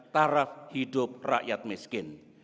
taraf hidup rakyat miskin